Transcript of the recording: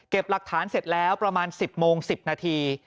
หลักฐานเสร็จแล้วประมาณ๑๐โมง๑๐นาที